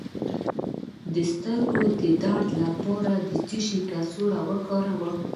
د سترګو درد لپاره د څه شي کڅوړه وکاروم؟